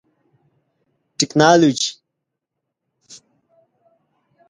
ټکنالوژي